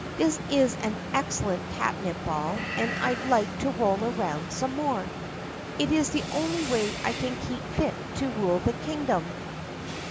This is an excellent catnip ball and I 'd like to roll around some more. It is the only way I can keep fit to rule the kingdom.